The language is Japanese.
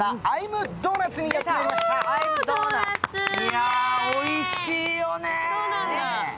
いやー、おいしいよね。